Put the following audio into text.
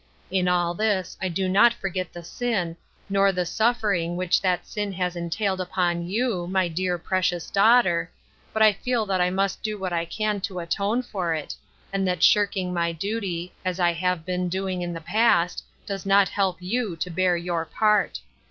In all this I do not forget the sin, nor the suffering which that sin has entailed upon you, my dear, precious daughter, but I feel that I must do what I can to atone for it, and that shirking my duty, as I have been doing in the past, does not help you to bear your part.